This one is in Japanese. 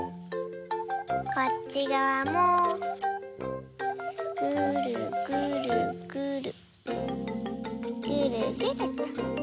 こっちがわもぐるぐるぐるぐるぐると。